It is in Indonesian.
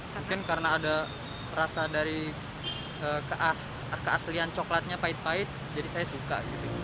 mungkin karena ada rasa dari keaslian coklatnya pahit pahit jadi saya suka